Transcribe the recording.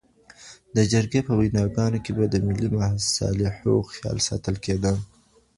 د جرګي په ویناګانو کي به د ملي مصالحو خیال ساتل کيده.